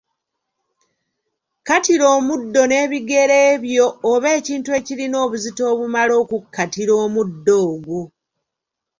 Kkatira omuddo n’ebigere byo oba ekintu ekirina obuzito obumala okukkatira omuddo ogwo.